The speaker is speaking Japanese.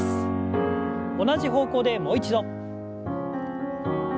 同じ方向でもう一度。